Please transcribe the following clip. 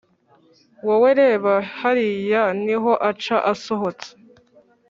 Wowe reba hariya niho aca asohotse